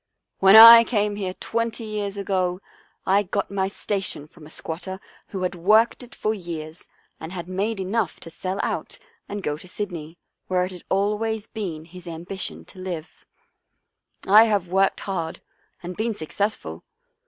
" When I came here twenty years ago, I got my station from a squatter who had worked it for years and had made enough to sell out and 1 Wild dogs. On the Way to the "Run" 37 go to Sydney, where it had always been his ambi tion to live. I have worked hard and been suc cessful.